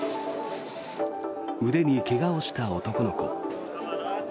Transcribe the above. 腕に怪我をした男の子。